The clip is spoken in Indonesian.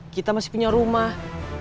kita masih punya rumah